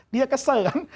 dia kesel kan